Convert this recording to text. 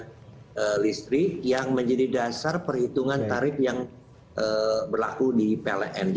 dan listrik yang menjadi dasar perhitungan tarif yang berlaku di plng